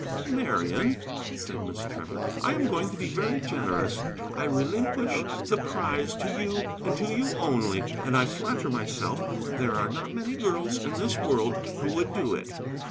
"Marian," said Miss Trevor, "I am going to be very generous. I relinquish the prize to you, and to you only. And I flatter myself there are not many girls in this world who would do it."